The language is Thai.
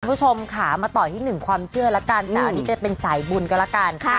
พี่ผู้ชมขามาต่อที่หนึ่งความเชื่อแล้วกันที่เป็นสายบุญกันแล้วกัน